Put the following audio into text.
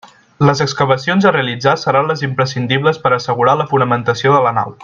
Les excavacions a realitzar seran les imprescindibles per a assegurar la fonamentació de la nau.